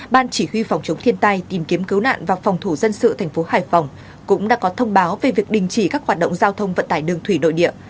ban chỉ huy phòng chống thiên tai tìm kiếm cứu nạn và phòng thủ dân sự thành phố hải phòng cũng đã có thông báo về việc đình chỉ các hoạt động giao thông vận tải đường thủy nội địa